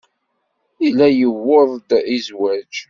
Yella yuweḍ-d i zzwaj.